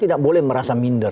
tidak boleh merasa minder